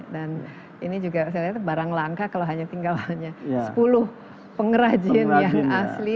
dan ini juga barang langka kalau hanya tinggal hanya sepuluh pengrajin yang asli